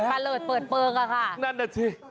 นั่นแหละสิ